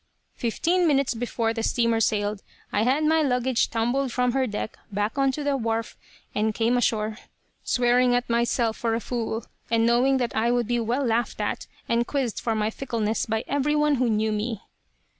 Fifteen minutes before the steamer sailed I had my luggage tumbled from her deck back on to the wharf, and came ashore, swearing at myself for a fool, and knowing that I would be well laughed at and quizzed for my fickleness by every one who knew me."